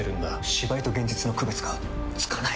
芝居と現実の区別がつかない！